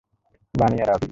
বানি আর আভি?